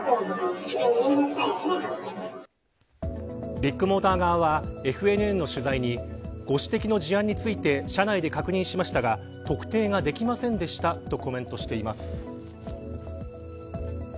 ビッグモーター側はＦＮＮの取材にご指摘の事案について社内で確認しましたが特定ができませんでした、とコメントしています。